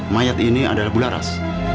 mayat ini adalah gularas